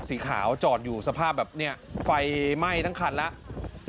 สีขาวจอดอยู่สภาพแบบนี้ไฟไหม้ทั้งคันแล้ว